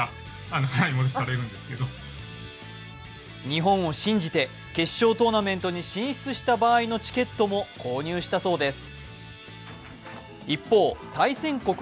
日本を信じて決勝トーナメントに進出した場合のチケットも購入したそうです。